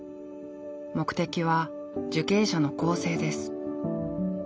目的は受刑者の更生です。